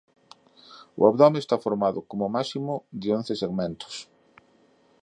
O abdome está formado como máximo de once segmentos.